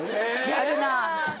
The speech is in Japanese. やるなあ